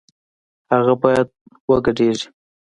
هغه بايد وګډېږي